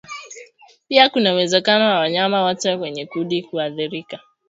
Pia kuna uwezekano wa wanyama wote kwenye kundi kuathirika